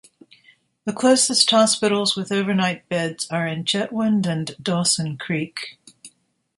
The closest hospitals with over-night beds are in Chetwynd and Dawson Creek.